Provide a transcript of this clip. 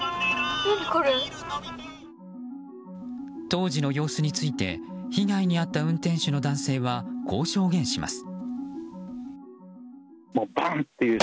当時の様子について被害に遭った運転手の男性はこう証言します。